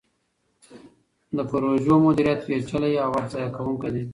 د پروژو مدیریت پیچلی او وخت ضایع کوونکی دی.